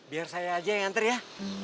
biar saya aja yang nganter ya